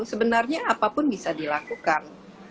sebenarnya apapun bisa dilakukan